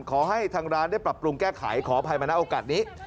ขอให้ทางร้านได้ปรับปรุงแก้ไขขออภัยมานะโอกาสนี้